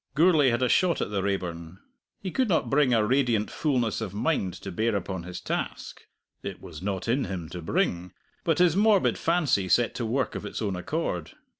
Gourlay had a shot at the Raeburn. He could not bring a radiant fullness of mind to bear upon his task (it was not in him to bring), but his morbid fancy set to work of its own accord.